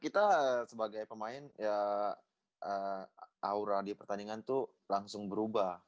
kita sebagai pemain ya aura di pertandingan itu langsung berubah